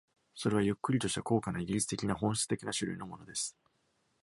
それはゆっくりとした、高価な、イギリス的な、本質的な種類のものです。